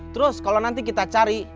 terus kalau nanti kita cari